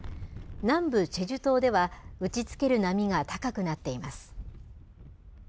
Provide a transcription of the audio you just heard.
南部チェジュ島では、打ちつける波が高くなっています。